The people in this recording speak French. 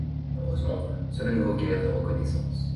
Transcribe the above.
Malheureusement, cela ne leur vaut guère de reconnaissance.